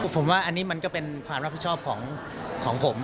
ผมว่าอันนี้มันก็เป็นความรับผิดชอบของผม